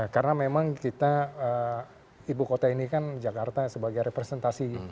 karena memang kita ibu kota ini kan jakarta sebagai representasi